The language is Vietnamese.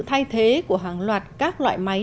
thay thế của hàng loạt các loại máy